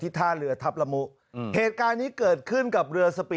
ท่าเรือทัพละมุเหตุการณ์นี้เกิดขึ้นกับเรือสปีด